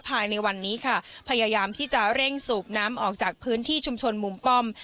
ภายในวันนี้ค่ะพยายามที่จะเร่งสูบน้ำออกจากพื้นที่ชุมชนมุมป้อม